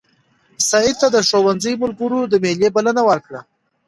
سعید ته د ښوونځي ملګرو د مېلې بلنه ورکړه.